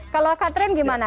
kalau katrin gimana